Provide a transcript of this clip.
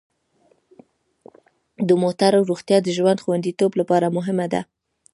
د موټرو روغتیا د ژوند خوندیتوب لپاره مهمه ده.